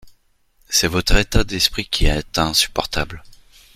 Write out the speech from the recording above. C’est votre état d’esprit qui est insupportable.